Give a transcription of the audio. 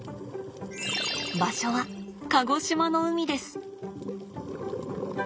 場所は鹿児島の海です。